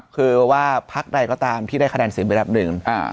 คือว่าภาคไทยก็ตามที่ได้คะแนนเสียงเป็นระดับ๑